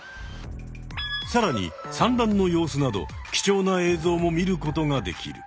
さらに産卵の様子など貴重な映像も見ることができる。